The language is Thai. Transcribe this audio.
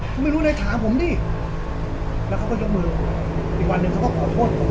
คุณไม่รู้เลยถามผมดิแล้วเขาก็ยกมืออีกวันหนึ่งเขาก็ขอโทษผม